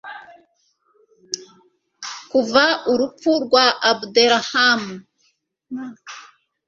kuva 'urupfu rwa abderrahman